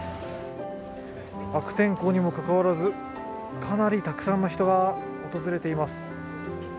悪天候にもかかわらずかなりたくさんの人が訪れています。